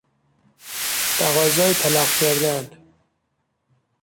تقاضای طلاق کردن